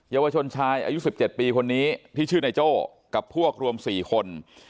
เยาวชนชายอายุ๑๗ปีคนนี้ที่ชื่อนายโจ้กับพวกรวม๔คน